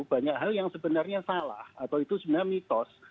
banyak hal yang sebenarnya salah atau itu sebenarnya mitos